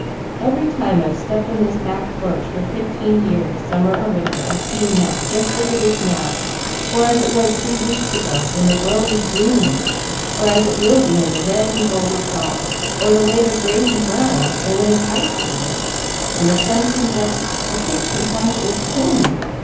Every time I've stepped on this back porch for fifteen years, summer or winter, I've seen that just as it is now or as it was three weeks ago when the world was blooming, or as it will be in the red and gold of fall, or the later grays and browns, and when it's ice coated, and the sun comes up, I think sometimes it will kill me.